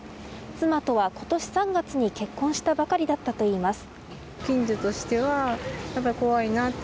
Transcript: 妻とは今年３月に結婚したばかりだったといいます。